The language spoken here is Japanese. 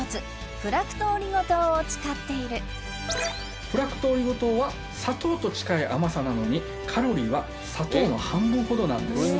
フラクトオリゴ糖を使っているフラクトオリゴ糖は砂糖と近い甘さなのにカロリーは砂糖の半分ほどなんです